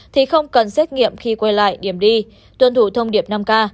thì không cần xét nghiệm khi quay lại điểm đi tuân thủ thông điệp năm k